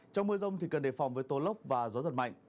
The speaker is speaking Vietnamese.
trong mưa rông thì cần đề phòng với tô lốc và gió thật mạnh